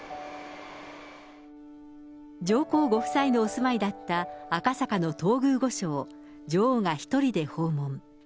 上皇ご夫妻のお住まいだった赤坂の東宮御所を女王が１人で訪問。